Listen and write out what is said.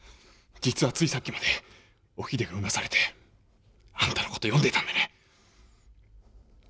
実はついさっきまでおひでがうなされてあんたの事呼んでいたんでね。